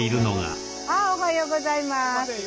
おはようございます。